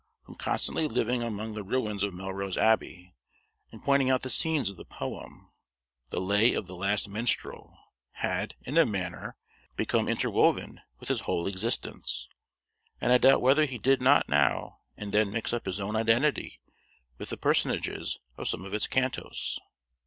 From constantly living among the ruins of Melrose Abbey, and pointing out the scenes of the poem, the "Lay of the Last Minstrel" had, in a manner, become interwoven with his whole existence, and I doubt whether he did not now and then mix up his own identity with the personages of some of its cantos.